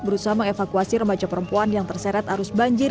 berusaha mengevakuasi remaja perempuan yang terseret arus banjir